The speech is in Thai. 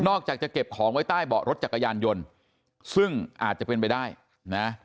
อกจากจะเก็บของไว้ใต้เบาะรถจักรยานยนต์ซึ่งอาจจะเป็นไปได้นะ